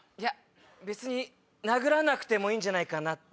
⁉別に殴らなくてもいいんじゃないかなって。